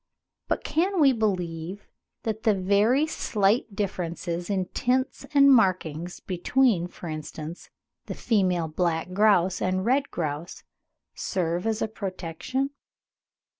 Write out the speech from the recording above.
But can we believe that the very slight differences in tints and markings between, for instance, the female black grouse and red grouse serve as a protection?